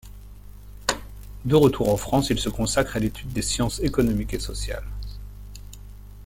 De retour en France, il se consacre à l'étude des sciences économiques et sociales.